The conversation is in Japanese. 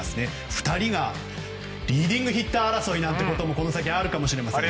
２人がリーディングヒッター争いなんてこともこの先あるかもしれません。